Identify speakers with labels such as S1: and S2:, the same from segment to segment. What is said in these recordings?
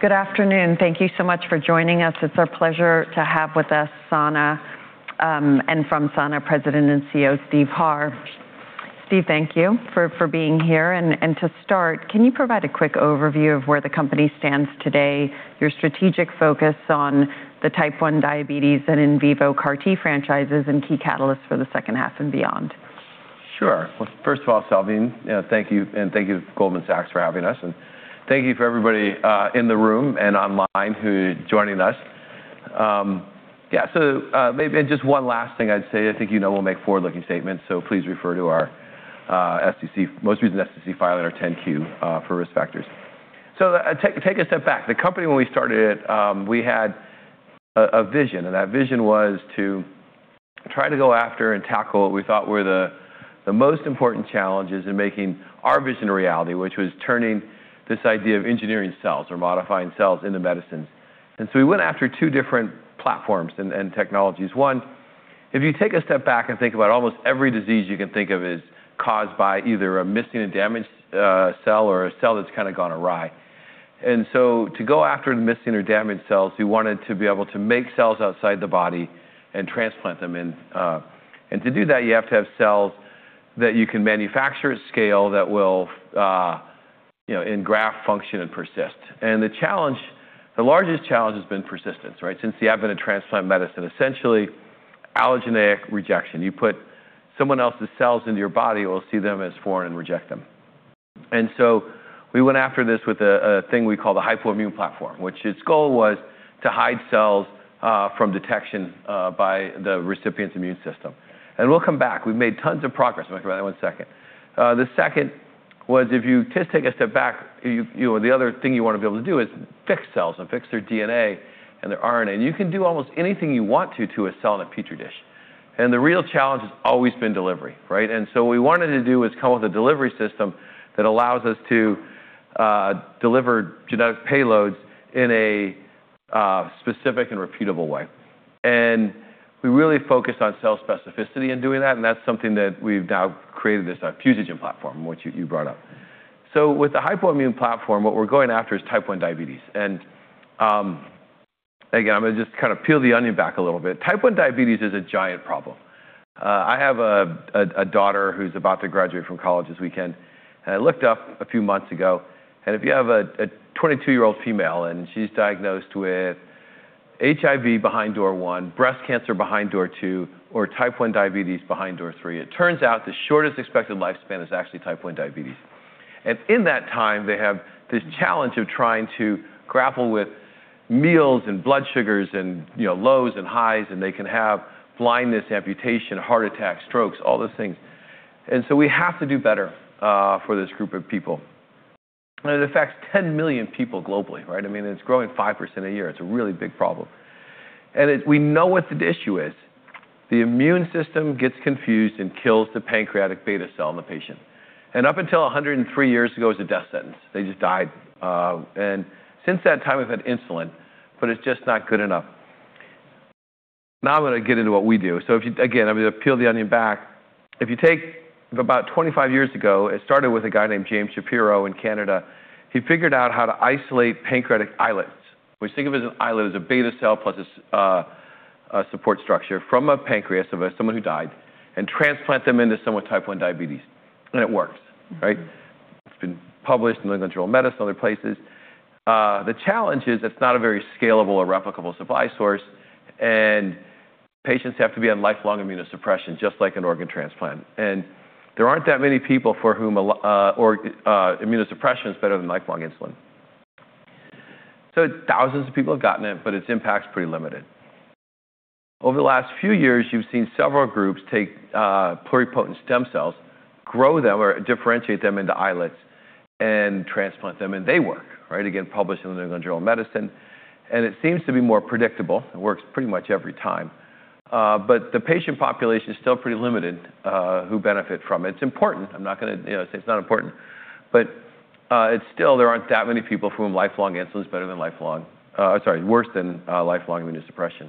S1: Good afternoon. Thank you so much for joining us. It's our pleasure to have with us Sana, and from Sana, President and CEO, Steve Harr. Steve, thank you for being here. To start, can you provide a quick overview of where the company stands today, your strategic focus on the type 1 diabetes and in vivo CAR T franchises, and key catalysts for the second half and beyond?
S2: Sure. Well, first of all, Salveen, thank you, and thank you, Goldman Sachs, for having us, and thank you for everybody in the room and online who are joining us. Maybe, just one last thing I'd say, I think you know we'll make forward-looking statements, please refer to our most recent SEC filing, our 10-Q, for risk factors. Take a step back. The company, when we started it, we had a vision, that vision was to try to go after and tackle what we thought were the most important challenges in making our vision a reality, which was turning this idea of engineering cells or modifying cells into medicines. We went after two different platforms and technologies. One, if you take a step back and think about almost every disease you can think of is caused by either a missing, a damaged cell, or a cell that's kind of gone awry. To go after the missing or damaged cells, we wanted to be able to make cells outside the body and transplant them in. To do that, you have to have cells that you can manufacture at scale that will engraft, function, and persist. The largest challenge has been persistence, since the advent of transplant medicine, essentially allogeneic rejection. You put someone else's cells into your body, it will see them as foreign and reject them. We went after this with a thing we call the Hypoimmune Platform, which its goal was to hide cells from detection by the recipient's immune system. We'll come back. We've made tons of progress. I'm going to come to that in one second. The second was, if you just take a step back, the other thing you want to be able to do is fix cells and fix their DNA and their RNA, you can do almost anything you want to a cell in a Petri dish. The real challenge has always been delivery. What we wanted to do was come up with a delivery system that allows us to deliver genetic payloads in a specific and repeatable way. We really focused on cell specificity in doing that's something that we've now created this Fusogen platform, which you brought up. With the Hypoimmune Platform, what we're going after is type 1 diabetes. Again, I'm going to just kind of peel the onion back a little bit. Type 1 diabetes is a giant problem. I have a daughter who's about to graduate from college this weekend. I looked up a few months ago, if you have a 22-year-old female and she's diagnosed with HIV behind door 1, breast cancer behind door 2, or type 1 diabetes behind door 3, it turns out the shortest expected lifespan is actually type 1 diabetes. In that time, they have this challenge of trying to grapple with meals and blood sugars and lows and highs, and they can have blindness, amputation, heart attacks, strokes, all those things. We have to do better for this group of people. It affects 10 million people globally, right? I mean, it's growing 5% a year. It's a really big problem. We know what the issue is. The immune system gets confused and kills the pancreatic beta cell in the patient. Up until 103 years ago, it was a death sentence. They just died. Since that time, we've had insulin, but it's just not good enough. Now I'm going to get into what we do. Again, I'm going to peel the onion back. If you take about 25 years ago, it started with a guy named James Shapiro in Canada. He figured out how to isolate pancreatic islets. We think of it as an islet as a beta cell plus a support structure from a pancreas of someone who died, and transplant them into someone with type 1 diabetes, and it works. It's been published in The New England Journal of Medicine, other places. The challenge is it's not a very scalable or replicable supply source, and patients have to be on lifelong immunosuppression, just like an organ transplant. There aren't that many people for whom immunosuppression is better than lifelong insulin. Thousands of people have gotten it, but its impact's pretty limited. Over the last few years, you've seen several groups take pluripotent stem cells, grow them or differentiate them into islets, and transplant them, and they work. Again, published in The New England Journal of Medicine, and it seems to be more predictable. It works pretty much every time. The patient population is still pretty limited who benefit from it. It's important. I'm not going to say it's not important, but still, there aren't that many people for whom lifelong insulin is better than lifelong, sorry, worse than lifelong immunosuppression.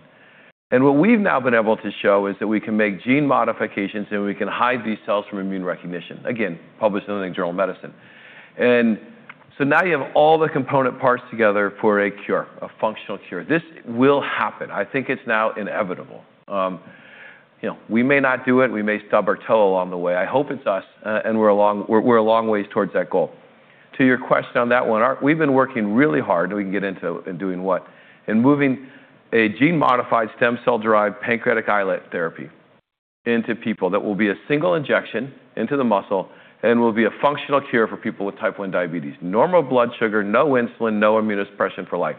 S2: What we've now been able to show is that we can make gene modifications, and we can hide these cells from immune recognition. Again, published in The New England Journal of Medicine. Now you have all the component parts together for a cure, a functional cure. This will happen. I think it's now inevitable. We may not do it. We may stub our toe along the way. I hope it's us, and we're a long ways towards that goal. To your question on that one, we've been working really hard, and we can get into doing what, in moving a gene-modified stem cell-derived pancreatic islet therapy into people that will be a single injection into the muscle and will be a functional cure for people with type 1 diabetes. Normal blood sugar, no insulin, no immunosuppression for life.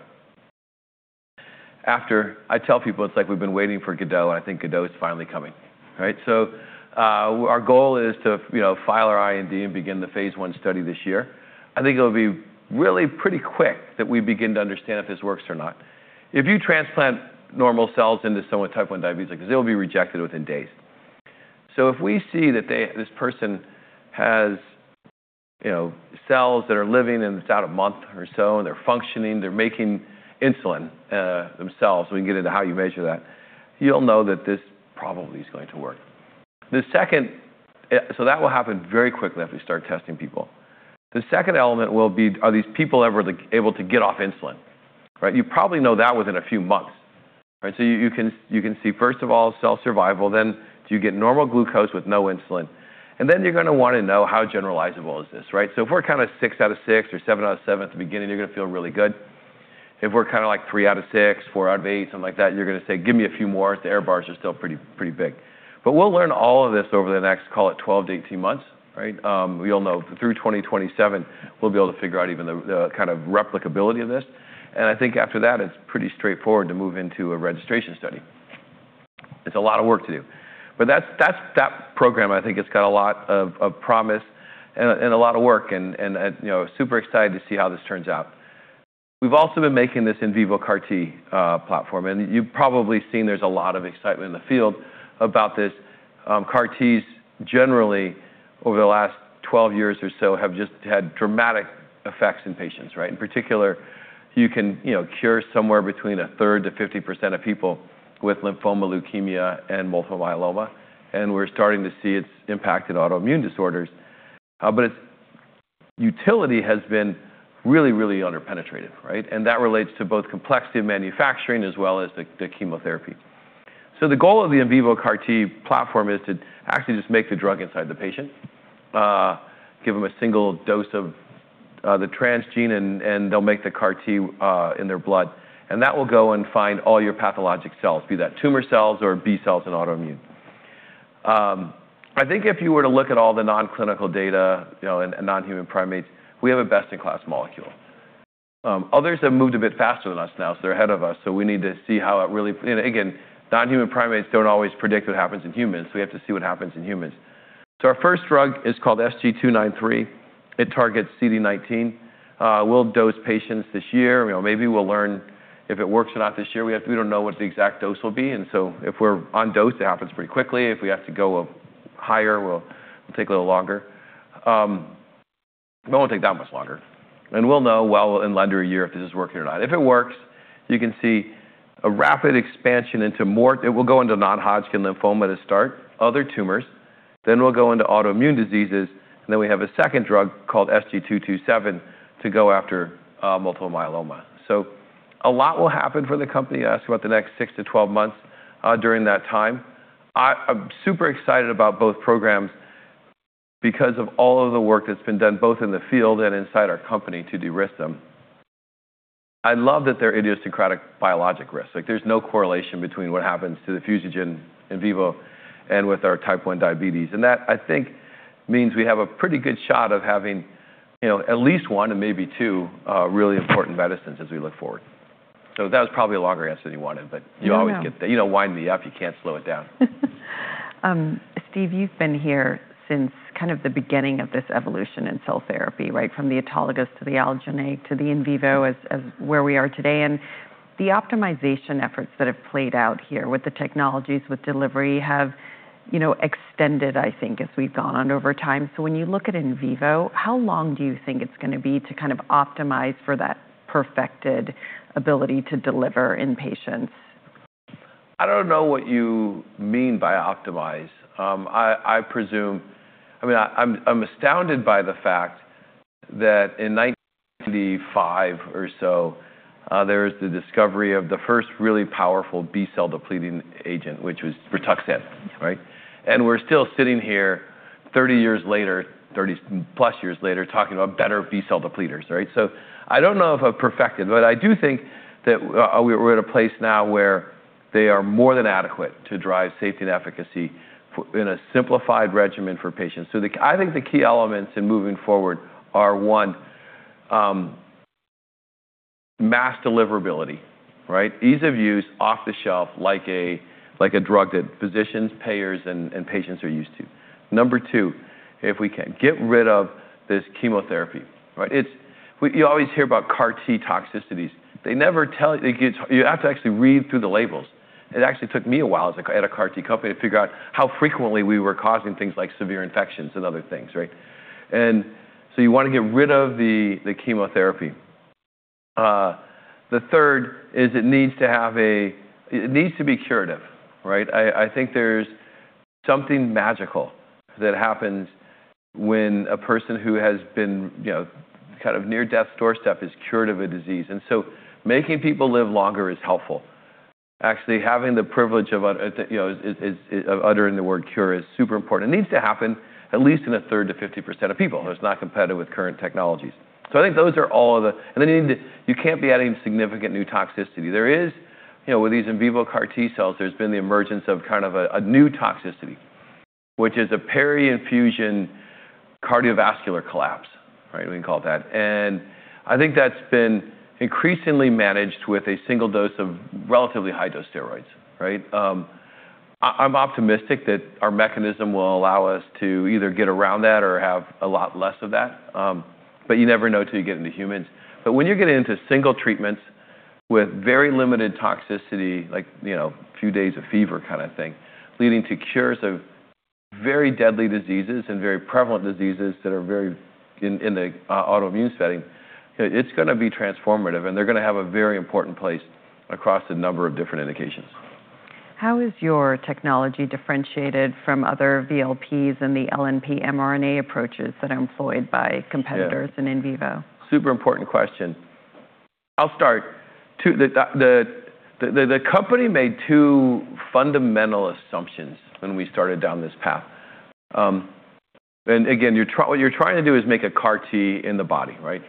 S2: After, I tell people it's like we've been waiting for Godot, and I think Godot is finally coming. Our goal is to file our IND and begin the phase I study this year. I think it'll be really pretty quick that we begin to understand if this works or not. If you transplant normal cells into someone with type 1 diabetes, they'll be rejected within days. If we see that this person has cells that are living, and it's at a month or so, and they're functioning, they're making insulin themselves, we can get into how you measure that, you'll know that this probably is going to work. The second, that will happen very quickly after we start testing people. The second element will be, are these people ever able to get off insulin? You probably know that within a few months. You can see, first of all, cell survival, then do you get normal glucose with no insulin? Then you're going to want to know how generalizable is this, right? If we're kind of six out of six or seven out of seven at the beginning, you're going to feel really good. If we're kind of like three out of six, four out of eight, something like that, you're going to say, "Give me a few more. The error bars are still pretty big." We'll learn all of this over the next, call it 12 to 18 months. We all know through 2027, we'll be able to figure out even the kind of replicability of this. I think after that, it's pretty straightforward to move into a registration study. It's a lot of work to do. That program, I think, has got a lot of promise and a lot of work, and super excited to see how this turns out. We've also been making this in vivo CAR T platform, you've probably seen there's a lot of excitement in the field about this. CAR Ts generally, over the last 12 years or so, have just had dramatic effects in patients. In particular, you can cure somewhere between a third to 50% of people with lymphoma leukemia and multiple myeloma, we're starting to see its impact in autoimmune disorders. Its utility has been really, really under-penetrated. That relates to both complexity of manufacturing as well as the chemotherapy. The goal of the in vivo CAR T platform is to actually just make the drug inside the patient, give them a single dose of the transgene, they'll make the CAR T in their blood, that will go and find all your pathologic cells, be that tumor cells or B cells in autoimmune. I think if you were to look at all the non-clinical data in non-human primates, we have a best-in-class molecule. Others have moved a bit faster than us now, they're ahead of us, we need to see how it really. Non-human primates don't always predict what happens in humans, we have to see what happens in humans. Our first drug is called SG293. It targets CD19. We'll dose patients this year. Maybe we'll learn if it works or not this year. We don't know what the exact dose will be, if we're on dose, it happens pretty quickly. If we have to go higher, we'll take a little longer. It won't take that much longer. We'll know well in under a year if this is working or not. If it works, you can see a rapid expansion into non-Hodgkin lymphoma to start other tumors. We'll go into autoimmune diseases, and then we have a second drug called SG227 to go after multiple myeloma. A lot will happen for the company, I ask about the next six to 12 months during that time. I'm super excited about both programs because of all of the work that's been done both in the field and inside our company to de-risk them. I love that they're idiosyncratic biologic risk. There's no correlation between what happens to the fusogen in vivo and with our type 1 diabetes. That, I think, means we have a pretty good shot of having at least one and maybe two really important medicines as we look forward. That was probably a longer answer than you wanted.
S1: Yeah
S2: You wind me up, you can't slow it down.
S1: Steve, you've been here since kind of the beginning of this evolution in cell therapy, from the autologous to the allogeneic to the in vivo as where we are today. The optimization efforts that have played out here with the technologies, with delivery have extended, I think, as we've gone on over time. When you look at in vivo, how long do you think it's going to be to kind of optimize for that perfected ability to deliver in patients?
S2: I don't know what you mean by optimize. I'm astounded by the fact that in 1995 or so, there was the discovery of the first really powerful B-cell depleting agent, which was rituximab. We're still sitting here 30 years later, 30+ years later, talking about better B-cell depleters. I don't know if I've perfected, but I do think that we're at a place now where they are more than adequate to drive safety and efficacy in a simplified regimen for patients. I think the key elements in moving forward are one, mass deliverability. Ease of use, off-the-shelf like a drug that physicians, payers, and patients are used to. Number two, if we can get rid of this chemotherapy. You always hear about CAR T toxicities. You have to actually read through the labels. It actually took me a while at a CAR T company to figure out how frequently we were causing things like severe infections and other things. You want to get rid of the chemotherapy. The third is it needs to be curative. I think there's something magical that happens when a person who has been kind of near death's doorstep is cured of a disease. Making people live longer is helpful. Actually, having the privilege of uttering the word cure is super important. It needs to happen at least in a third to 50% of people, or it's not competitive with current technologies. I think those are all of the. You can't be adding significant new toxicity. With these in vivo CAR T cells, there's been the emergence of kind of a new toxicity, which is a peri-infusion cardiovascular collapse. We can call it that. I think that's been increasingly managed with a single dose of relatively high-dose steroids. I'm optimistic that our mechanism will allow us to either get around that or have a lot less of that, but you never know till you get into humans. When you get into single treatments with very limited toxicity, like few days of fever kind of thing, leading to cures of very deadly diseases and very prevalent diseases that are very in the autoimmune setting, it's going to be transformative, and they're going to have a very important place across a number of different indications.
S1: How is your technology differentiated from other VLPs and the LNP mRNA approaches that are employed by competitors in vivo?
S2: Super important question. I'll start. The company made two fundamental assumptions when we started down this path. Again, what you're trying to do is make a CAR T in the body, right?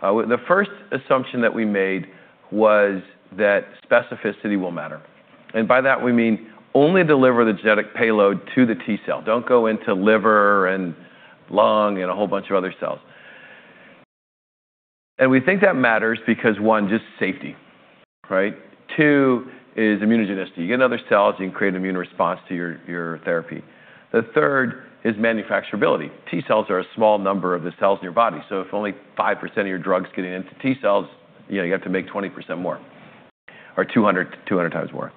S2: The first assumption that we made was that specificity will matter. By that, we mean only deliver the genetic payload to the T cell. Don't go into liver and lung and a whole bunch of other cells. We think that matters because one, just safety, right? Two is immunogenicity. You get into other cells, you can create an immune response to your therapy. The third is manufacturability. T cells are a small number of the cells in your body, so if only 5% of your drug's getting into T cells, you have to make 20% more or 200x more.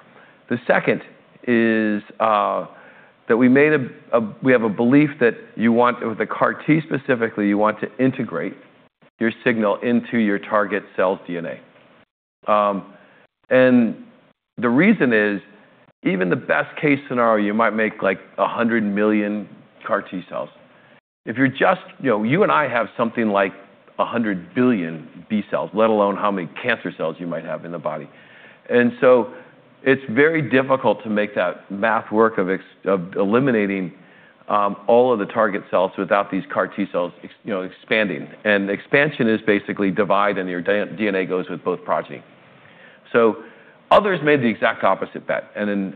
S2: The second is that we have a belief that with the CAR T specifically, you want to integrate your signal into your target cell's DNA. The reason is, even the best-case scenario, you might make 100 million CAR T cells. You and I have something like 100 billion B cells, let alone how many cancer cells you might have in the body. It's very difficult to make that math work of eliminating all of the target cells without these CAR T cells expanding. Expansion is basically divide, and your DNA goes with both progeny. Others made the exact opposite bet, and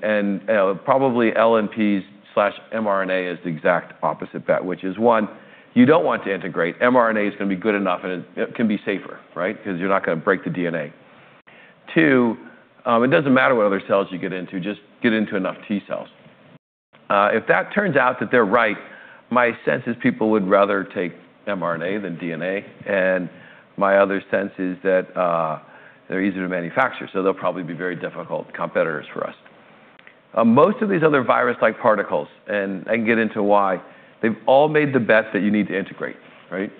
S2: probably LNPs/mRNA is the exact opposite bet, which is one, you don't want to integrate. mRNA is going to be good enough, and it can be safer, right? Because you're not going to break the DNA. Two, it doesn't matter what other cells you get into, just get into enough T cells. If that turns out that they're right, my sense is people would rather take mRNA than DNA, and my other sense is that they're easier to manufacture, they'll probably be very difficult competitors for us. Most of these other virus-like particles, and I can get into why, they've all made the bet that you need to integrate, right?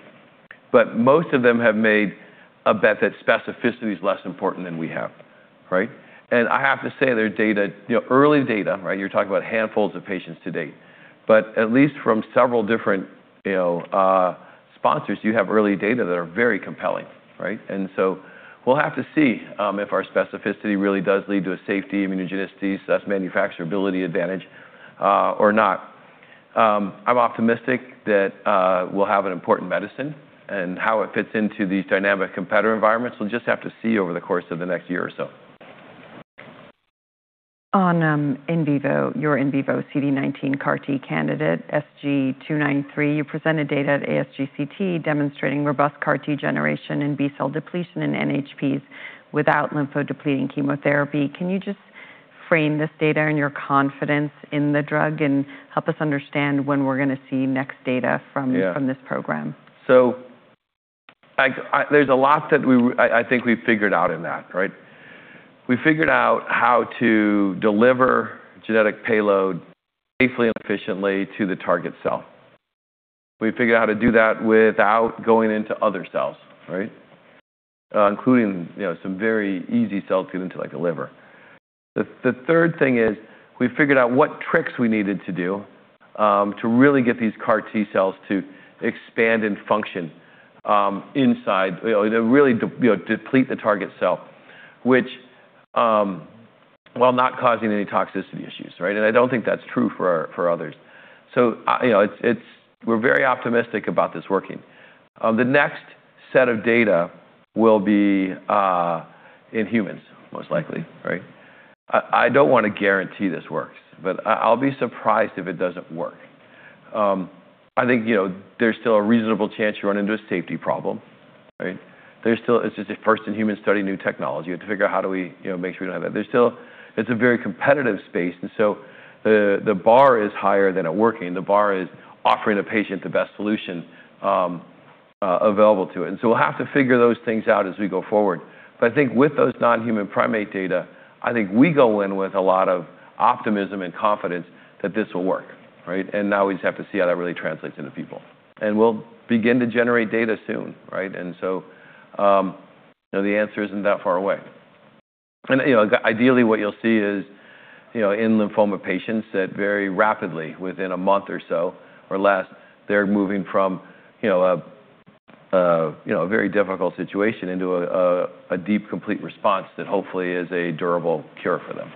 S2: Most of them have made a bet that specificity is less important than we have, right? I have to say their early data, right, you're talking about handfuls of patients to date, but at least from several different sponsors, you have early data that are very compelling, right? We'll have to see if our specificity really does lead to a safety, immunogenicity, less manufacturability advantage or not. I'm optimistic that we'll have an important medicine, and how it fits into these dynamic competitor environments, we'll just have to see over the course of the next year or so.
S1: On your in vivo CD19 CAR T candidate, SG293, you presented data at ASGCT demonstrating robust CAR T generation and B-cell depletion in NHPs without lymphodepleting chemotherapy. Can you just frame this data and your confidence in the drug and help us understand when we're going to see next data from this program?
S2: There's a lot that I think we've figured out in that, right? We figured out how to deliver genetic payload safely and efficiently to the target cell. We figured out how to do that without going into other cells, right? Including some very easy cells to get into, like the liver. The third thing is we figured out what tricks we needed to do to really get these CAR T cells to expand and function inside, to really deplete the target cell, which while not causing any toxicity issues, right? I don't think that's true for others. We're very optimistic about this working. The next set of data will be in humans, most likely, right? I don't want to guarantee this works, but I'll be surprised if it doesn't work. I think there's still a reasonable chance you run into a safety problem, right? It's just a first in human study, new technology, you have to figure out how do we make sure we don't have that. The bar is higher than it working. The bar is offering a patient the best solution available to it. We'll have to figure those things out as we go forward. I think with those non-human primate data, I think we go in with a lot of optimism and confidence that this will work, right? Now we just have to see how that really translates into people. We'll begin to generate data soon, right? The answer isn't that far away. Ideally, what you'll see is in lymphoma patients that very rapidly, within a month or so or less, they're moving from a very difficult situation into a deep, complete response that hopefully is a durable cure for them.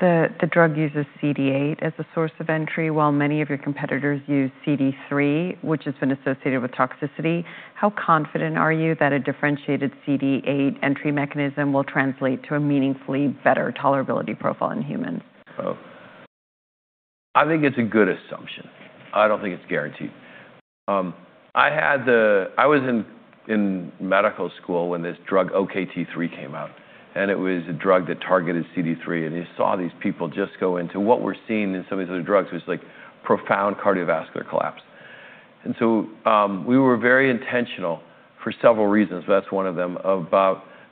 S1: The drug uses CD8 as a source of entry, while many of your competitors use CD3, which has been associated with toxicity. How confident are you that a differentiated CD8 entry mechanism will translate to a meaningfully better tolerability profile in humans?
S2: I think it's a good assumption. I don't think it's guaranteed. I was in medical school when this drug, OKT3, came out, and it was a drug that targeted CD3, and you saw these people just go into what we're seeing in some of these other drugs was profound cardiovascular collapse. We were very intentional for several reasons, but that's one of them, of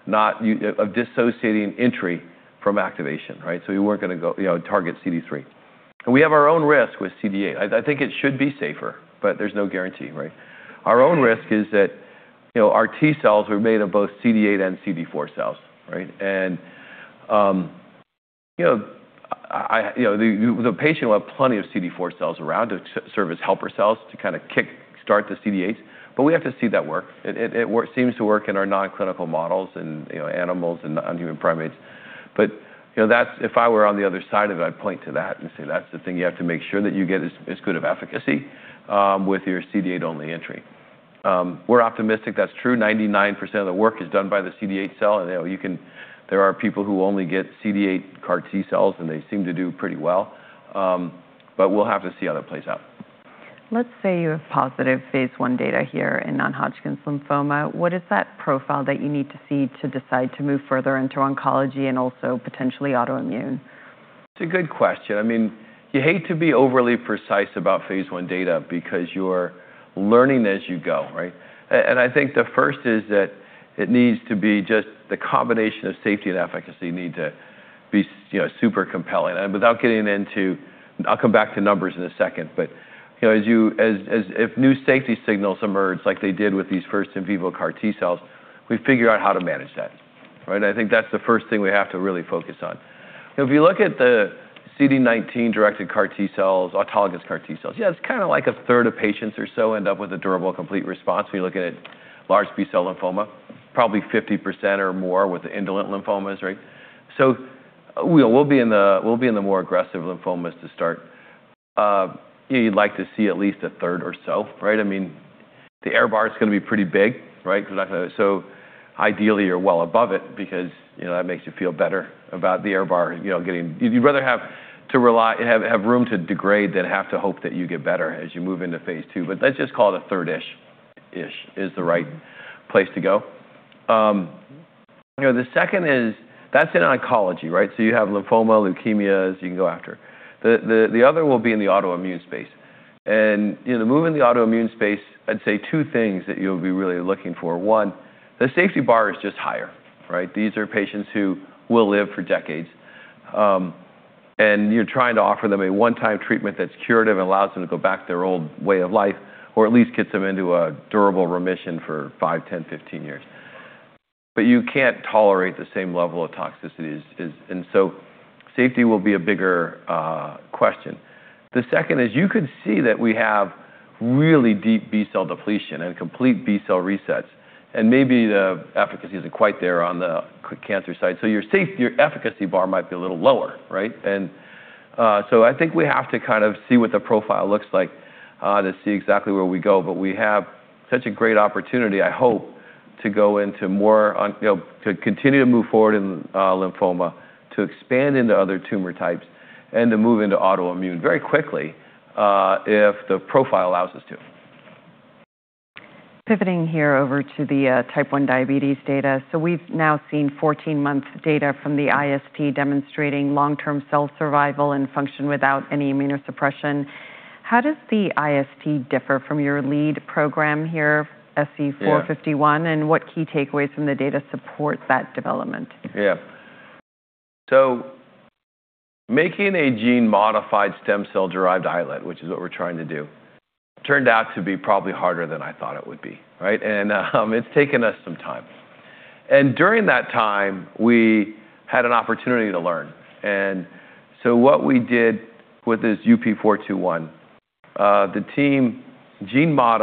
S2: dissociating entry from activation, right? We weren't going to target CD3. We have our own risk with CD8. I think it should be safer, but there's no guarantee, right? Our own risk is that our T cells are made of both CD8 and CD4 cells, right? The patient will have plenty of CD4 cells around to serve as helper cells to kind of kick start the CD8, but we have to see that work. It seems to work in our non-clinical models in animals and non-human primates. If I were on the other side of it, I'd point to that and say that's the thing you have to make sure that you get as good of efficacy with your CD8-only entry. We're optimistic that's true. 99% of the work is done by the CD8 cell, there are people who only get CD8 CAR T cells, and they seem to do pretty well, but we'll have to see how that plays out.
S1: Let's say you have positive phase I data here in non-Hodgkin lymphoma. What is that profile that you need to see to decide to move further into oncology and also potentially autoimmune?
S2: It's a good question. You hate to be overly precise about phase I data because you're learning as you go, right? I think the first is that it needs to be just the combination of safety and efficacy need to be super compelling. Without getting into-- I'll come back to numbers in a second, but if new safety signals emerge like they did with these first in vivo CAR T cells, we figure out how to manage that. Right? I think that's the first thing we have to really focus on. If you look at the CD19-directed CAR T cells, autologous CAR T cells, yeah, it's kind of like a third of patients or so end up with a durable complete response. We look at large B-cell lymphoma, probably 50% or more with the indolent lymphomas, right? We'll be in the more aggressive lymphomas to start. You'd like to see at least a third or so, right? The air bar is going to be pretty big, right? Ideally, you're well above it because that makes you feel better about the air bar. You'd rather have room to degrade than have to hope that you get better as you move into phase II. Let's just call it a third-ish is the right place to go. The second is that's in oncology, right? You have lymphoma, leukemias you can go after. The other will be in the autoimmune space. Moving the autoimmune space, I'd say two things that you'll be really looking for. One, the safety bar is just higher, right? These are patients who will live for decades. You're trying to offer them a one-time treatment that's curative and allows them to go back to their old way of life or at least gets them into a durable remission for five, 10, 15 years. You can't tolerate the same level of toxicities. Safety will be a bigger question. The second is you could see that we have really deep B-cell depletion and complete B-cell resets, and maybe the efficacy isn't quite there on the cancer side. Your efficacy bar might be a little lower, right? I think we have to kind of see what the profile looks like to see exactly where we go. We have such a great opportunity, I hope, to continue to move forward in lymphoma, to expand into other tumor types, and to move into autoimmune very quickly if the profile allows us to.
S1: Pivoting here over to the type 1 diabetes data. We've now seen 14 months of data from the iSP demonstrating long-term cell survival and function without any immunosuppression. How does the iSP differ from your lead program here, UP421-
S2: Yeah
S1: What key takeaways from the data support that development?
S2: Yeah. Making a gene-modified stem cell-derived islet, which is what we're trying to do, turned out to be probably harder than I thought it would be, right? It's taken us some time. During that time, we had an opportunity to learn. What we did with this UP421, the team. By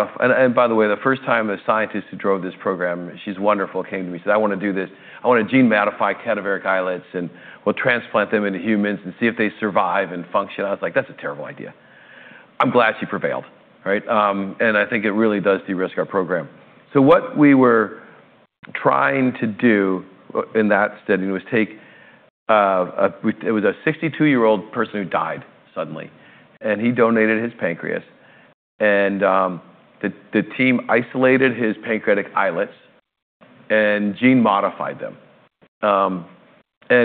S2: the way, the first time a scientist who drove this program, she's wonderful, came to me, said, "I want to do this. I want to gene modify cadaveric islets, and we'll transplant them into humans and see if they survive and function." I was like, "That's a terrible idea." I'm glad she prevailed, right? I think it really does de-risk our program. What we were trying to do in that study was. It was a 62-year-old person who died suddenly, and he donated his pancreas. The team isolated his pancreatic islets and gene modified them.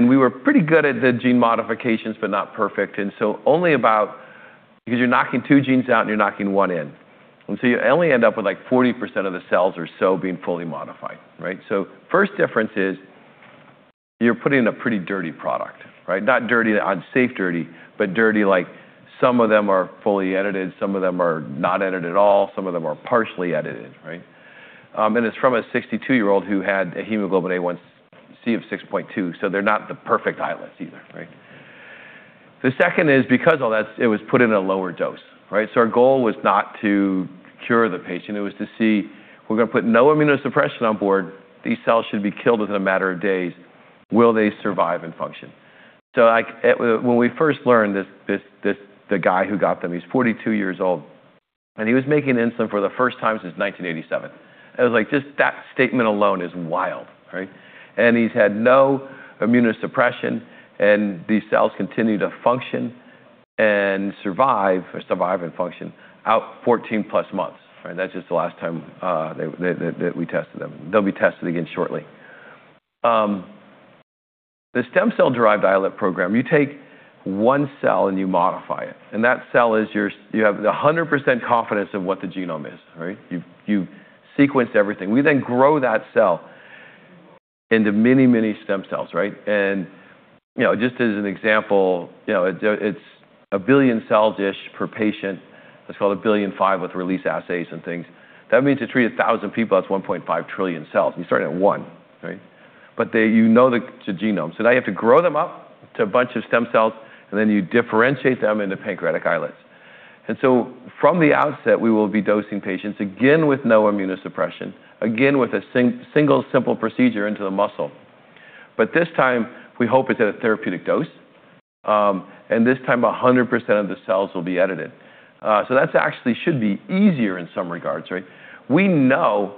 S2: We were pretty good at the gene modifications, but not perfect, only about. Because you're knocking two genes out, and you're knocking one in. You only end up with, like, 40% of the cells or so being fully modified, right? First difference is you're putting in a pretty dirty product, right? Not dirty, unsafe dirty, but dirty like some of them are fully edited, some of them are not edited at all, some of them are partially edited, right? It's from a 62-year-old who had a hemoglobin A1c of 6.2, so they're not the perfect islets either, right? The second is because all that, it was put in a lower dose, right? Our goal was not to cure the patient. It was to see we're going to put no immunosuppression on board. These cells should be killed within a matter of days. Will they survive and function? When we first learned the guy who got them, he's 42 years old, and he was making insulin for the first time since 1987. I was like, just that statement alone is wild, right? He's had no immunosuppression, and these cells continue to function and survive or survive and function out 14+ months. That's just the last time that we tested them. They'll be tested again shortly. The stem cell-derived islet program, you take one cell, and you modify it. That cell is your. You have 100% confidence of what the genome is, right? You've sequenced everything. We then grow that cell into many, many stem cells, right? Just as an example, it's a billion cell dish per patient. Let's call it a billion and five with release assays and things. That means to treat 1,000 people, that's 1.5 trillion cells, and you're starting at one, right? You know the genome. Now you have to grow them up to a bunch of stem cells, and then you differentiate them into pancreatic islets. From the outset, we will be dosing patients, again with no immunosuppression, again with a single simple procedure into the muscle. This time, we hope it's at a therapeutic dose. This time, 100% of the cells will be edited. That actually should be easier in some regards, right? We know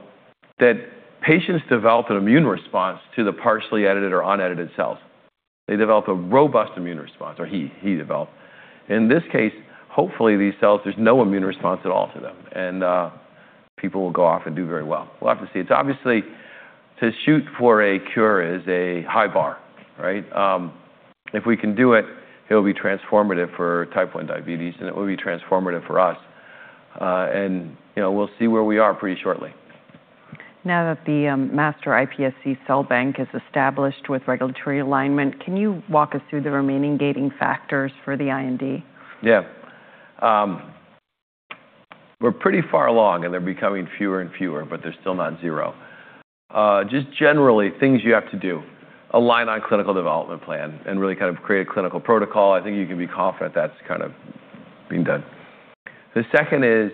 S2: that patients develop an immune response to the partially edited or unedited cells. They develop a robust immune response, or he developed. In this case, hopefully these cells, there's no immune response at all to them, and people will go off and do very well. We'll have to see. Obviously, to shoot for a cure is a high bar, right? If we can do it'll be transformative for type 1 diabetes, and it will be transformative for us. We'll see where we are pretty shortly.
S1: Now that the master iPSC cell bank is established with regulatory alignment, can you walk us through the remaining gating factors for the IND?
S2: We're pretty far along, and they're becoming fewer and fewer, but they're still not zero. Generally, things you have to do. Align on clinical development plan and really kind of create a clinical protocol. I think you can be confident that's kind of being done. The second is,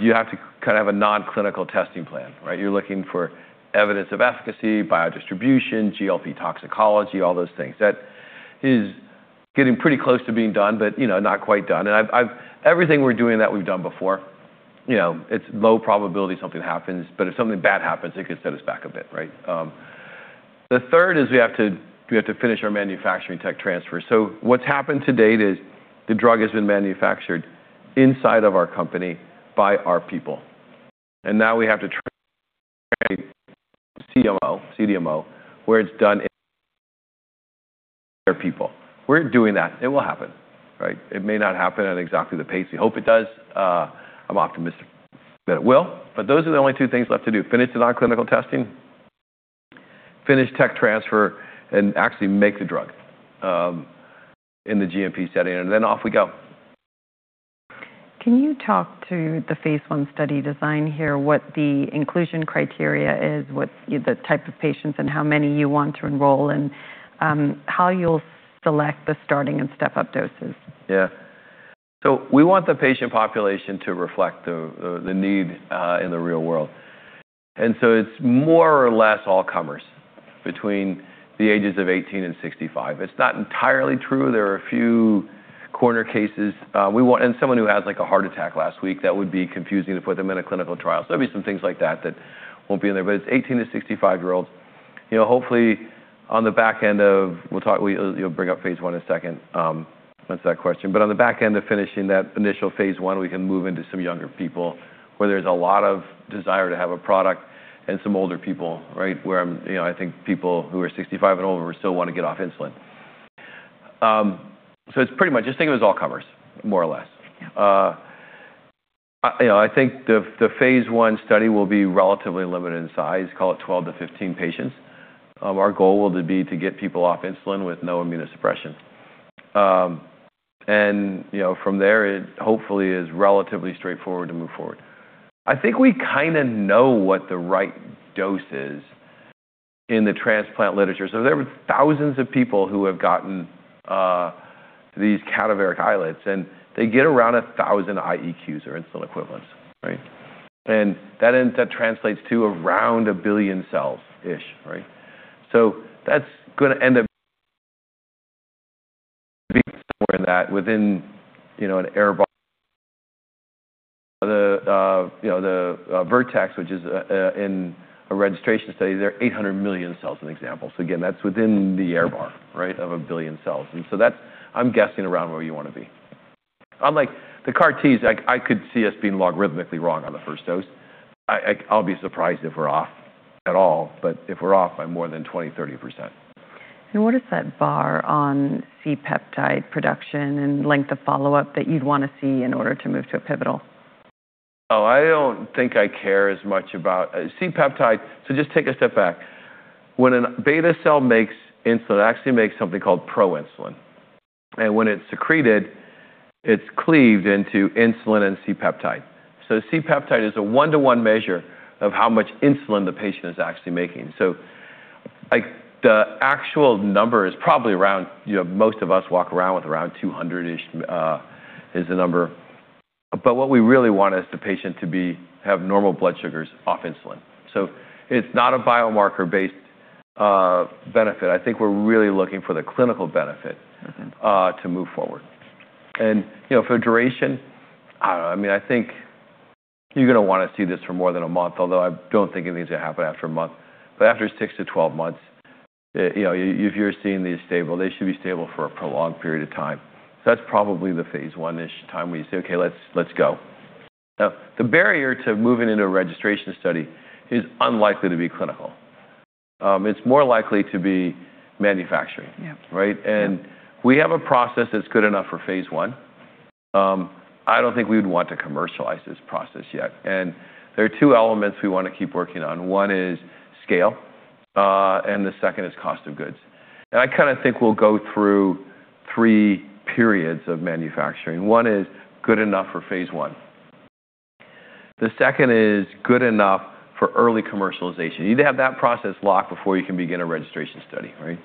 S2: you have to have a non-clinical testing plan, right? You're looking for evidence of efficacy, biodistribution, GLP toxicology, all those things. That is getting pretty close to being done but not quite done. Everything we're doing that we've done before, it's low probability something happens, but if something bad happens, it could set us back a bit, right? The third is we have to finish our manufacturing tech transfer. What's happened to date is the drug has been manufactured inside of our company by our people. Now we have to transfer CMO, CDMO, where it's done by their people. We're doing that. It will happen, right? It may not happen at exactly the pace we hope it does. I'm optimistic that it will. Those are the only two things left to do, finish the non-clinical testing, finish tech transfer, and actually make the drug in the GMP setting, and then off we go.
S1: Can you talk to the phase I study design here, what the inclusion criteria is, what the type of patients and how many you want to enroll, and how you'll select the starting and step-up doses?
S2: Yeah. We want the patient population to reflect the need in the real world, it's more or less all comers between the ages of 18 and 65. It's not entirely true. There are a few corner cases. Someone who has a heart attack last week, that would be confusing to put them in a clinical trial. There'll be some things like that won't be in there. But it's 18-65 year-olds. Hopefully, on the back end of, we'll bring up phase I in a second. That's that question. But on the back end of finishing that initial phase I, we can move into some younger people where there's a lot of desire to have a product and some older people, right, where I think people who are 65 and older still want to get off insulin. It's pretty much, just think of it as all comers, more or less.
S1: Yeah.
S2: I think the phase I study will be relatively limited in size, call it 12 to 15 patients. Our goal will be to get people off insulin with no immunosuppression. From there, it hopefully is relatively straightforward to move forward. I think we kind of know what the right dose is in the transplant literature. There were thousands of people who have gotten these cadaveric islets, and they get around 1,000 IEQs or insulin equivalents, right? That translates to around a billion cells-ish, right? That's going to end up being more than that within an error bar. The Vertex, which is in a registration study, they're 800 million cells, as an example. Again, that's within the error bar, right, of a billion cells. I'm guessing around where you want to be. Unlike the CAR T, I could see us being logarithmically wrong on the first dose. I'll be surprised if we're off at all, but if we're off by more than 20%, 30%.
S1: What is that bar on C-peptide production and length of follow-up that you'd want to see in order to move to a pivotal?
S2: I don't think I care as much about C-peptide. Just take a step back. When a beta cell makes insulin, it actually makes something called proinsulin. When it's secreted, it's cleaved into insulin and C-peptide. C-peptide is a one-to-one measure of how much insulin the patient is actually making. The actual number is probably around, most of us walk around with around 200-ish, is the number. What we really want is the patient to have normal blood sugars off insulin. It's not a biomarker-based benefit. I think we're really looking for the clinical benefit. to move forward. For duration, I don't know. I think you're going to want to see this for more than a month, although I don't think anything's going to happen after a month. After six to 12 months, if you're seeing these stable, they should be stable for a prolonged period of time. That's probably the phase I-ish time where you say, "Okay, let's go." The barrier to moving into a registration study is unlikely to be clinical. It's more likely to be manufacturing.
S1: Yeah.
S2: Right? We have a process that's good enough for phase I. I don't think we would want to commercialize this process yet. There are two elements we want to keep working on. One is scale, and the second is cost of goods. I think we'll go through three periods of manufacturing. One is good enough for phase I. The second is good enough for early commercialization. You need to have that process locked before you can begin a registration study, right?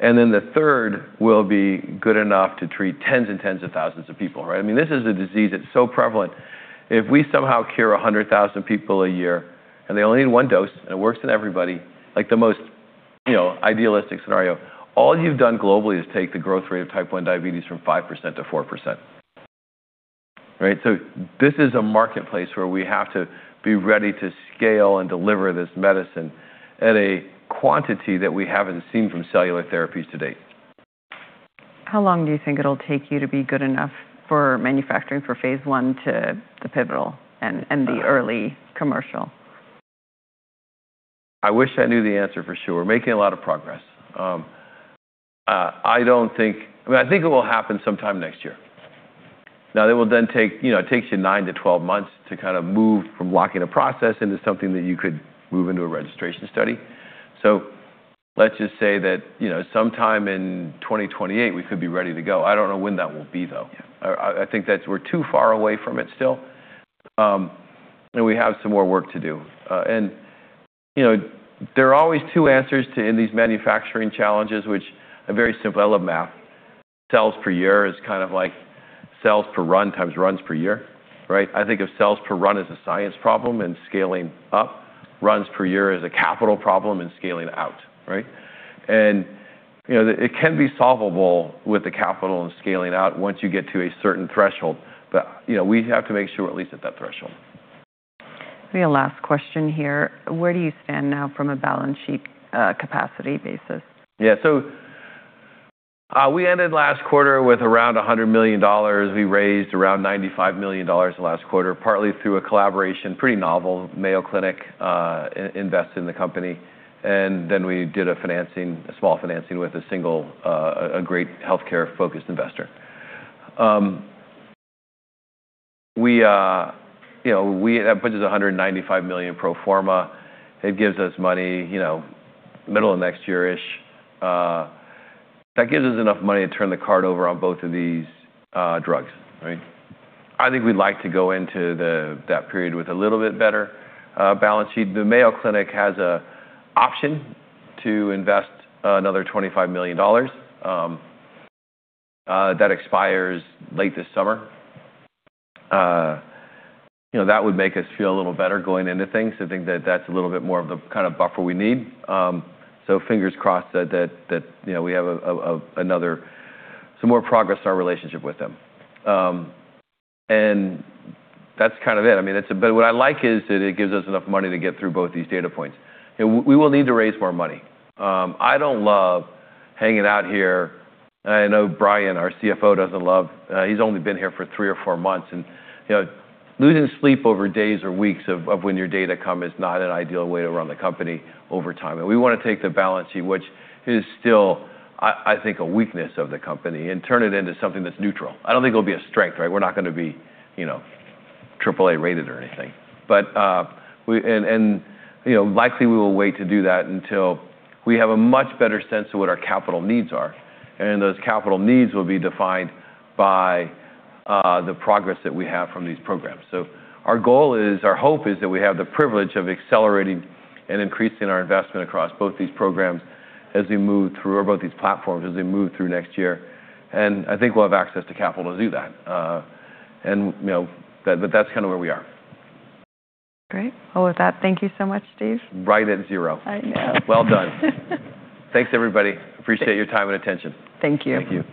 S2: The third will be good enough to treat tens and tens of thousands of people, right? I mean, this is a disease that's so prevalent. If we somehow cure 100,000 people a year and they only need one dose, and it works in everybody, like the most idealistic scenario, all you've done globally is take the growth rate of type 1 diabetes from 5% to 4%. Right? This is a marketplace where we have to be ready to scale and deliver this medicine at a quantity that we haven't seen from cellular therapies to date.
S1: How long do you think it'll take you to be good enough for manufacturing for phase I to the pivotal and the early commercial?
S2: I wish I knew the answer for sure. We're making a lot of progress. I think it will happen sometime next year. Now, it takes you nine to 12 months to move from locking a process into something that you could move into a registration study. Let's just say that, sometime in 2028, we could be ready to go. I don't know when that will be, though.
S1: Yeah.
S2: I think that we're too far away from it still, and we have some more work to do. There are always two answers in these manufacturing challenges, which are very simple. I love math. Cells per year is like cells per run times runs per year, right? I think of cells per run as a science problem and scaling up, runs per year as a capital problem and scaling out, right? It can be solvable with the capital and scaling out once you get to a certain threshold. We have to make sure we're at least at that threshold.
S1: I have a last question here. Where do you stand now from a balance sheet capacity basis?
S2: We ended last quarter with around $100 million. We raised around $95 million last quarter, partly through a collaboration, pretty novel, Mayo Clinic invested in the company, and then we did a small financing with a great healthcare-focused investor. That puts us $195 million pro forma. It gives us money middle of next year-ish. That gives us enough money to turn the card over on both of these drugs, right? I think we'd like to go into that period with a little bit better balance sheet. The Mayo Clinic has an option to invest another $25 million. That expires late this summer. That would make us feel a little better going into things. I think that that's a little bit more of the kind of buffer we need. Fingers crossed that we have some more progress in our relationship with them. That's kind of it. What I like is that it gives us enough money to get through both these data points. We will need to raise more money. I don't love hanging out here, and I know Brian, our CFO, doesn't love. He's only been here for three or four months, and losing sleep over days or weeks of when your data come is not an ideal way to run the company over time, and we want to take the balance sheet, which is still, I think, a weakness of the company, and turn it into something that's neutral. I don't think it'll be a strength, right? We're not going to be AAA rated or anything. Likely, we will wait to do that until we have a much better sense of what our capital needs are, and those capital needs will be defined by the progress that we have from these programs. Our hope is that we have the privilege of accelerating and increasing our investment across both these programs as we move through both these Platforms as we move through next year. I think we'll have access to capital to do that. That's kind of where we are.
S1: Great. Well, with that, thank you so much, Steve.
S2: Right at zero.
S1: I know.
S2: Well done. Thanks, everybody. Appreciate your time and attention.
S1: Thank you.
S2: Thank you.